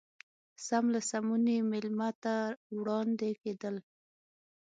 سم له سمونې مېلمه ته وړاندې کېدل.